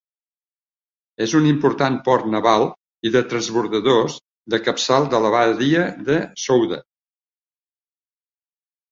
És un important port naval i de transbordadors del capçal de la badia de Souda.